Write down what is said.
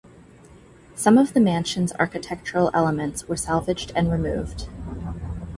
Some of the mansion's architectural elements were salvaged and removed.